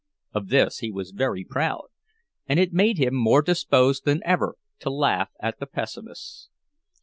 Of this he was very proud, and it made him more disposed than ever to laugh at the pessimists.